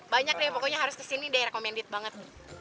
banyak deh pokoknya harus kesini deh recommended banget